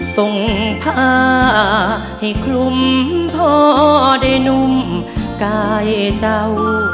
ส่งผ้าให้คลุมทอได้นุ่มกายเจ้า